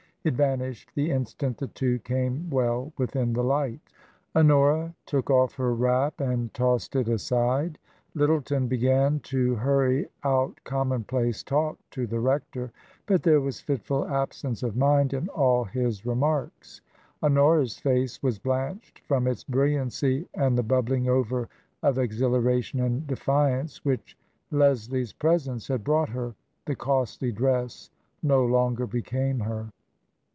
It vanished the instant the two came well within the light. Honora took off her wrap and tossed it aside ; Lyttle ton began to hurry out commonplace talk to the rector, but there was fitful absence of mind in all his remarks. Honora's face was blanched from its brilliancy and the bubbling over of exhilaration and defiance which Les lie's presence had brought her; the costly dress no longer became her.